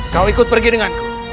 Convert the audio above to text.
kau ikut pergi dengan ku